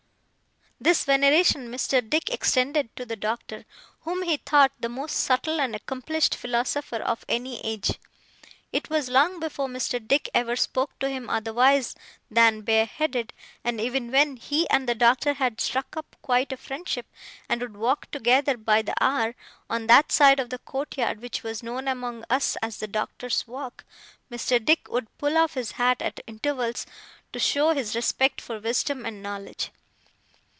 This veneration Mr. Dick extended to the Doctor, whom he thought the most subtle and accomplished philosopher of any age. It was long before Mr. Dick ever spoke to him otherwise than bareheaded; and even when he and the Doctor had struck up quite a friendship, and would walk together by the hour, on that side of the courtyard which was known among us as The Doctor's Walk, Mr. Dick would pull off his hat at intervals to show his respect for wisdom and knowledge.